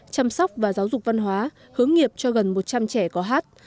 chăm sóc và giáo dục văn hóa hướng nghiệp cho gần một trăm linh trẻ có hát